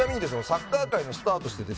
サッカー界のスターとしてですね